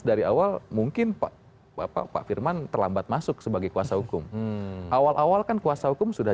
dari awal mungkin pak bapak pak firman terlambat masuk sebagai kuasa hukum awal awal kan kuasa hukum sudah